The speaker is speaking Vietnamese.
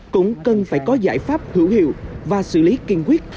cũng cần phải có giải pháp hữu hiệu và xử lý kiên quyết